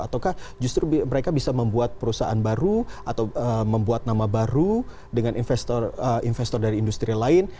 ataukah justru mereka bisa membuat perusahaan baru atau membuat nama baru dengan investor dari industri lain